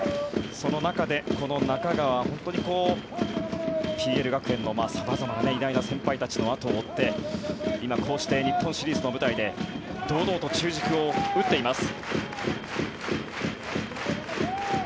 その中で中川ＰＬ学園の様々な偉大な先輩たちの後を追って今、こうして日本シリーズの舞台で堂々と中軸を打っています。